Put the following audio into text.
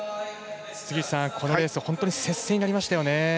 このレース本当に接戦になりましたよね。